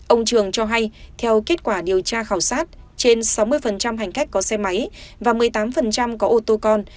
ông trường cho hay theo kết quả điều tra khảo sát trên sáu mươi hành khách có xe máy và một mươi tám có ô tô con